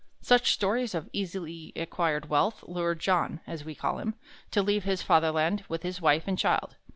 Such stories of easily acquired wealth lured John, as we call him, to leave his Fatherland with his wife and child.